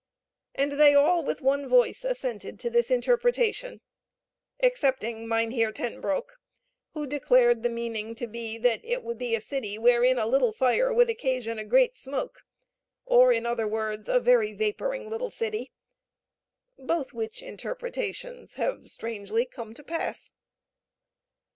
And they all with one voice assented to this interpretation excepting Mynheer Ten Broeck, who declared the meaning to be that it would be a city wherein a little fire would occasion a great smoke, or, in other words, a very vaporing little city both which interpretations have strangely come to pass!